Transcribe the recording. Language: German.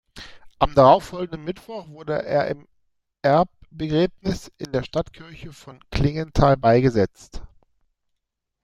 Am darauffolgenden Mittwoch wurde er im Erbbegräbnis in der Stadtkirche von Klingenthal beigesetzt.